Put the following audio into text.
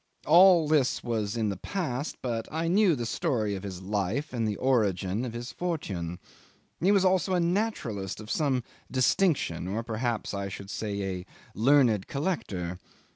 All this was in the past, but I knew the story of his life and the origin of his fortune. He was also a naturalist of some distinction, or perhaps I should say a learned collector.